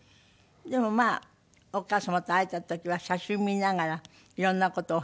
でもまあお母様と会えた時は写真見ながら色んな事をお話ししたりして。